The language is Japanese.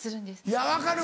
いや分かる。